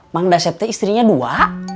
mandasete istrinya dua